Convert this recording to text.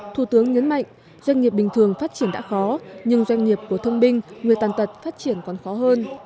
thủ tướng nhấn mạnh doanh nghiệp bình thường phát triển đã khó nhưng doanh nghiệp của thương binh người tàn tật phát triển còn khó hơn